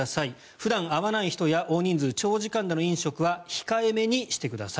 普段会わない人や大人数長時間での飲食は控えめにしてください